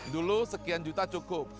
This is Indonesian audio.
dulu sekian juta cukupnya